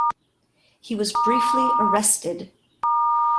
He was briefly arrested.